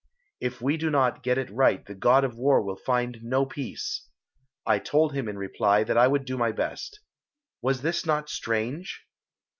If we do not get it right the God of War will find no peace. I told him in reply that I would do my best. Was this not strange?"